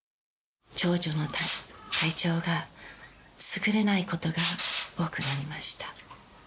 長女の体調がすぐれないことが多くなりました。